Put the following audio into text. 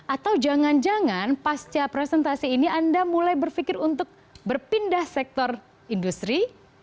atau jangan jangan pasca presentasi ini anda mulai berpikir untuk berpindah sektor industri